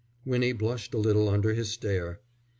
Winnie blushed a little under his stare.